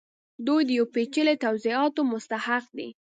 دوی د یو پیچلي توضیحاتو مستحق دي